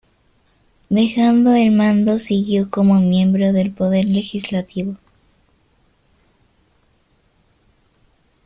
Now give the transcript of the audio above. Dejando el mando siguió como miembro del poder legislativo..."